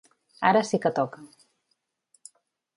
Ara sí que toca.